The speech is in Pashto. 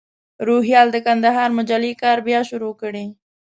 روهیال د کندهار مجلې کار بیا شروع کړی.